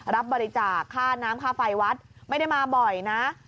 รับบริจาคค่าน้ำค่าไฟวัดไม่ได้มาบ่อยนะ